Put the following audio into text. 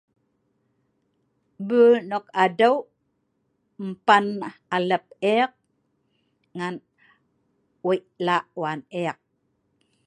bul nok adeu' empan alep ek ngan weik lak wan ek